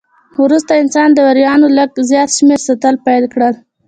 وروسته انسان د وریانو لږ زیات شمېر ساتل پیل کړل.